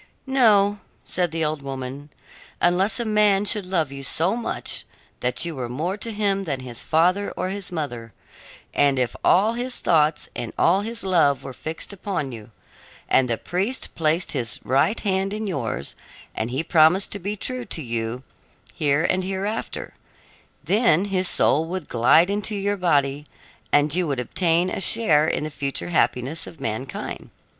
"No," said the old woman; "unless a man should love you so much that you were more to him than his father or his mother, and if all his thoughts and all his love were fixed upon you, and the priest placed his right hand in yours, and he promised to be true to you here and hereafter then his soul would glide into your body, and you would obtain a share in the future happiness of mankind.